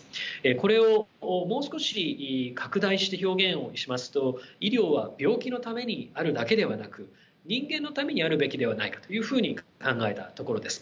これをもう少し拡大して表現をしますと医療は病気のためにあるだけではなく人間のためにあるべきではないかというふうに考えたところです。